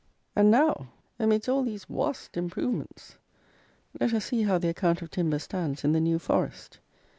And now, amidst all these "waust improvements," let us see how the account of timber stands in the New Forest!